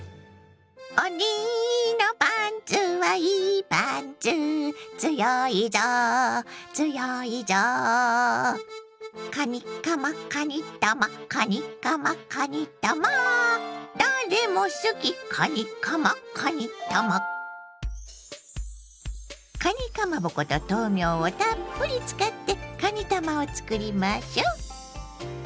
おにのパンツはいいパンツつよいぞつよいぞカニカマかにたまカニカマかにたま誰も好きカニカマかにたまかにかまぼこと豆苗をたっぷり使ってかにたまをつくりましょう。